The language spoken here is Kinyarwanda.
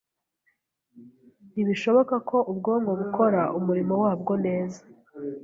Ntibishoboka ko ubwonko bukora umurimo wabwo neza